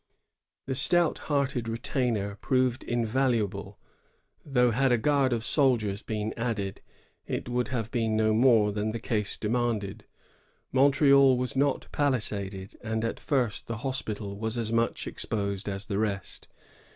This stout hearted retainer proved invaluable; though had a guard of soldiers been added, it would • have been no more than the case demanded. Montreal was not palisaded, and at first the hospital was as much exposed as the rest.